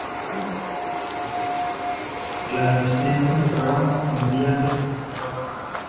La de Centros de Trabajo atendía a la juventud trabajadora.